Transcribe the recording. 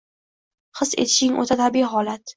his etishing o‘ta tabiiy holat.